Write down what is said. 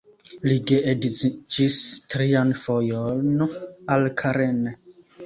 Li geedziĝis trian fojon, al Karen.